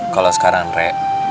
kalau sekarang re